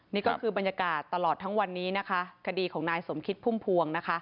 นี่ก็คือบรรยากาศตลอดทั้งวันนี้นะคะคดีของนายสมคิดพุ่มพวงนะคะ